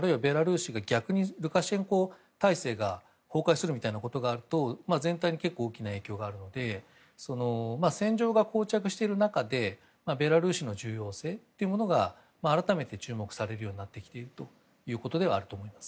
あるいは逆にルカシェンコ体制が崩壊するなんてことがあると全体に結構大きな影響があるので戦場が膠着している中でベラルーシの重要性というものが改めて注目されるようになってきていることではあると思います。